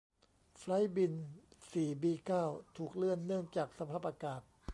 ไฟลท์บิน สี่บีเก้าถูกเลื่อนเนื่องจากสภาพอากาศ